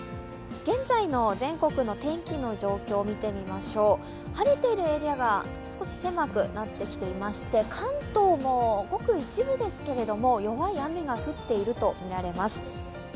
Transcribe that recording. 現在の全国の天気の状況みていきますと晴れているエリアが少し狭くなってきていまして、関東もごく一部ですけど、弱い雨が降っているとみられます。